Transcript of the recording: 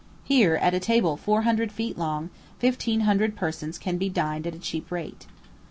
Here, at a table four hundred feet long, fifteen hundred persons can be dined at a cheap rate.